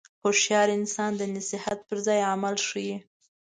هوښیار انسان د نصیحت پر ځای عمل ښيي.